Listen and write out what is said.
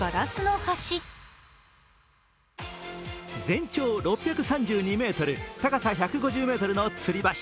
全長６３２ｍ、高さ１５０ｍのつり橋。